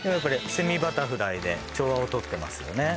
セミバタフライで調和をとってますよね